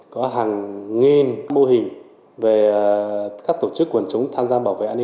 có hàng nghìn mô hình về các tổ chức quần chúng tham gia mô hình